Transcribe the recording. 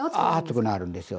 熱くなるんですよ。